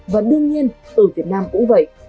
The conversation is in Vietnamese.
và đương nhiên ở việt nam cũng vậy